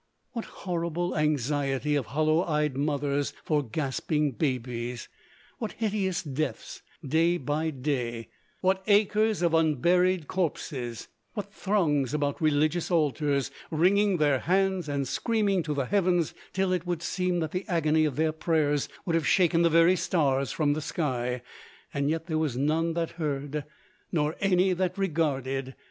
What horrible anxiety of hollow eyed mothers for gasping babes; what hideous deaths day by day; what acres of unburied corpses; what throngs about religious altars, wringing their hands, and screaming to the heavens, till it would seem that the agony of their prayers would have shaken the very stars from the sky; and yet there was none that heard, nor any that regarded.